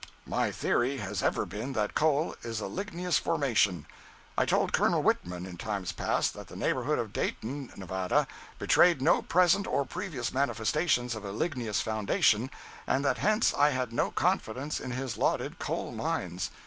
My theory has ever been that coal is a ligneous formation. I told Col. Whitman, in times past, that the neighborhood of Dayton (Nevada) betrayed no present or previous manifestations of a ligneous foundation, and that hence I had no confidence in his lauded coal mines.